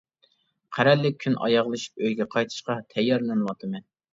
قەرەللىك كۈن ئاياغلىشىپ ئۆيگە قايتىشقا تەييارلىنىۋاتىمەن.